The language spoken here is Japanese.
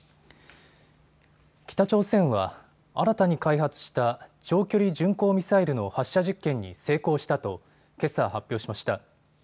北朝鮮は新たに開発した長距離巡航ミサイルの発射実験に成功したとけさ発表しました。